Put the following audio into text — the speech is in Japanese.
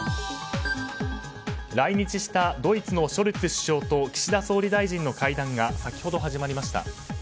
来日したドイツのショルツ首相と岸田総理大臣の会談が先ほど始まりました。